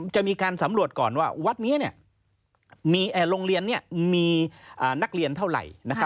จะมีการสำรวจก่อนว่าวัดนี้โรงเรียนมีนักเรียนเท่าไหร่